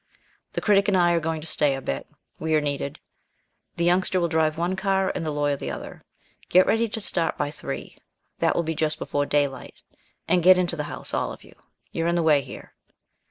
The Critic and I are going to stay a bit. We are needed. The Youngster will drive one car, and the Lawyer the other. Get ready to start by three, that will be just before daylight and get into the house, all of you. You are in the way here!"